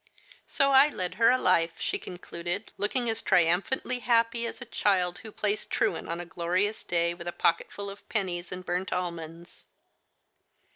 So I led her a life/' she concluded, looking as tri umphantly happy as a child who plays truant on a glorious day with a pocketful of pennies and burnt almonds.